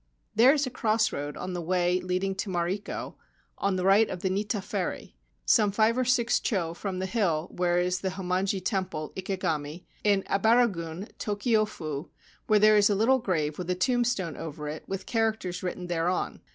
There is a cross road on the way leading to Mariko, to the right of the Nitta Ferry, some five or six cho from the hill where is the Hommonji Temple, Ikegami, in Ebaragun, Tokio fu, where there is a little grave with a tombstone over it and the characters : written thereon.